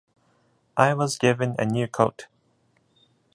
I was given a new coat.